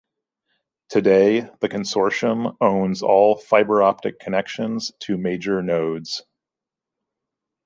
Today the Consortium owns all fiber-optic connections to major nodes.